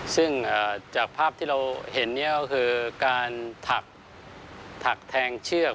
ซึ่งจากภาพที่เราเห็นเนี่ยก็คือการถักแทงเชือก